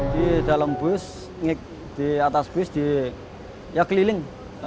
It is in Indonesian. di dalam bus di atas bus keliling